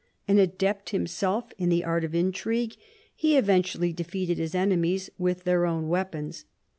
An adept himself in the art of intrigue, he eventually defeated his enemies with their own weapons.